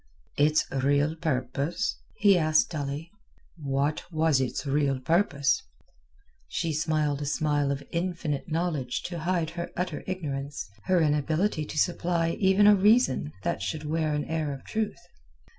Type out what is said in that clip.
"Its real purpose?" he asked dully. "What was its real purpose?" She smiled a smile of infinite knowledge to hide her utter ignorance, her inability to supply even a reason that should wear an air of truth.